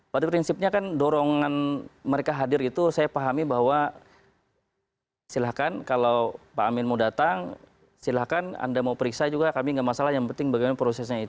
pada prinsipnya kan dorongan mereka hadir itu saya pahami bahwa silahkan kalau pak amin mau datang silahkan anda mau periksa juga kami nggak masalah yang penting bagaimana prosesnya itu